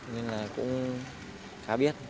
nên là cũng khá biết